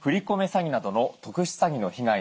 詐欺などの特殊詐欺の被害